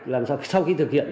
làm sao sau khi thực hiện